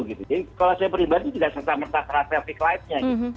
jadi kalau saya pribadi tidak serta merta traffic lightnya